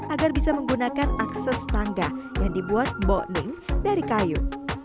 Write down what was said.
agar bisa menggunakan akses tangga yang dibuat mbokning dari kayu